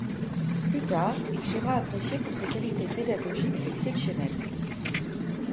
Plus tard, il sera apprécié pour ses qualités pédagogiques exceptionnelles.